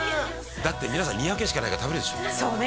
だって皆さん２００円しかないから食べるでしょそうね